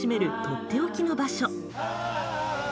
とっておきの場所。